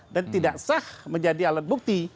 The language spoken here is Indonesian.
dan tidak sah menjadi alat bukti